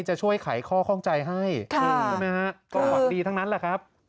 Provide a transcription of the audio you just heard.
จะช่วยไขข้อข้องใจให้ใช่ไหมฮะก็หวังดีทั้งนั้นแหละครับ